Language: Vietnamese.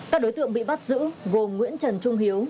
các đối tượng bị bắt giữ gồm nguyễn trần trung hiếu